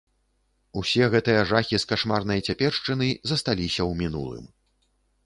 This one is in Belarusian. Усе гэтыя жахі з кашмарнай цяпершчыны засталіся ў мінулым.